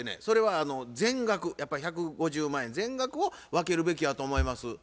それは全額やっぱ１５０万円全額を分けるべきやと思います。